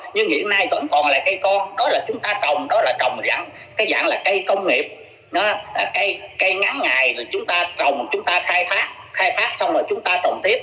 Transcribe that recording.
nhưng hiện nay vẫn còn lại cây con đó là chúng ta trồng đó là trồng cái dạng là cây công nghiệp cây ngắn ngài chúng ta trồng chúng ta khai phát khai phát xong rồi chúng ta trồng tiếp